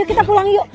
yuk kita pulang yuk